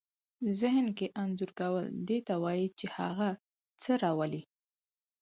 ذهن کې انځور کول دې ته وايي چې هغه څه راولئ.